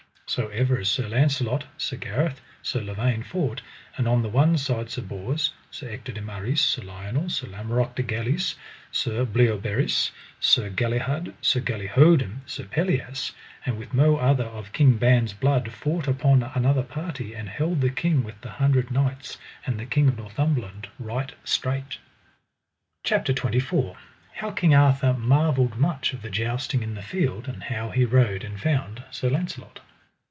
So ever as Sir Launcelot Sir Gareth, Sir Lavaine fought, and on the one side Sir Bors, Sir Ector de Maris, Sir Lionel, Sir Lamorak de Galis, Sir Bleoberis, Sir Galihud, Sir Galihodin, Sir Pelleas, and with mo other of King Ban's blood fought upon another party, and held the King with the Hundred Knights and the King of Northumberland right strait. CHAPTER XXIV. How King Arthur marvelled much of the jousting in the field, and how he rode and found Sir Launcelot.